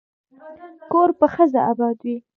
کور په ښځه اباد دی.